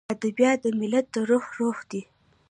ادبیات د ملت د روح روح دی.